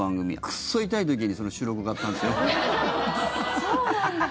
くそ痛い時にその収録があったんですよ。